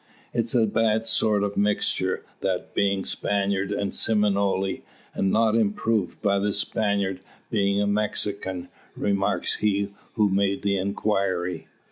"It's a bad sort of mixture, that between Spaniard and Seminole, and not improved by the Spaniard being a Mexican," remarks he who made the inquiry.